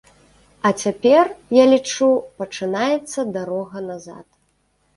А цяпер, я лічу, пачынаецца дарога назад.